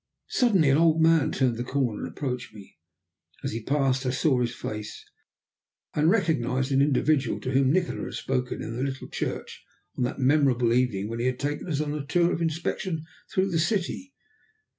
Suddenly an old man turned the corner and approached me. As he passed, I saw his face, and recognized an individual to whom Nikola had spoken in the little church on that memorable evening when he had taken us on a tour of inspection through the city.